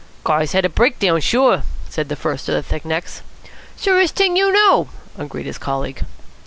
"Guy's had a breakdown, sure," said the first of the thick necks. "Surest thing you know," agreed his colleague.